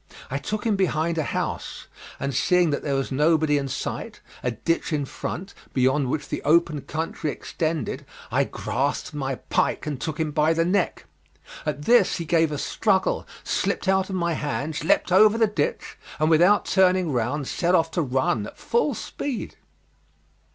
I took him behind a house, and seeing that there was nobody in sight, a ditch in front, beyond which the open country extended, I grasped my pike and took him by the neck. At this he gave a struggle, slipped out of my hands, leapt over the ditch, and without turning round set off to run at full speed.